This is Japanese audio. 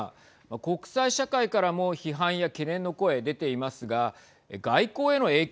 国際社会からも批判や懸念の声出ていますが外交への影響